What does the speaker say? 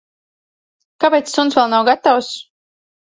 Kāpēc suns vēl nav gatavs?